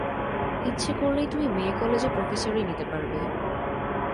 ইচ্ছে করলেই তুমি মেয়ে-কলেজে প্রোফেসারি নিতে পারবে।